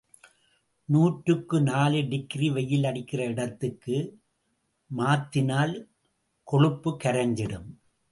நூற்று நாலு டிகிரி வெயிலடிக்கிற இடத்துக்கு மாத்தினால்... கொழுப்பு கரைஞ்சிடும்.